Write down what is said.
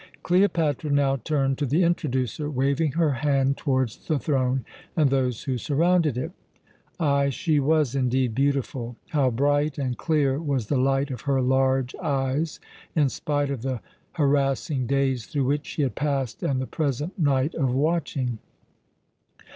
Cleopatra now turned to the "introducer," waving her hand towards the throne and those who surrounded it. Ay, she was indeed beautiful. How bright and clear was the light of her large eyes, in spite of the harassing days through which she had passed and the present night of watching!